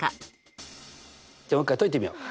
じゃあもう一回解いてみよう。